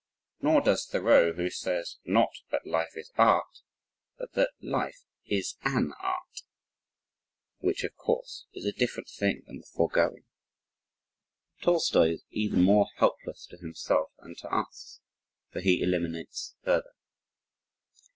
Nor does Thoreau who says not that "life is art," but that "life is an art," which of course is a different thing than the foregoing. Tolstoi is even more helpless to himself and to us. For he eliminates further.